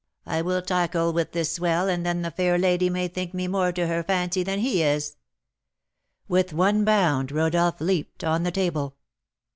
I'll tackle with this swell, and then the fair lady may think me more to her fancy than he is." With one bound Rodolph leaped on the table.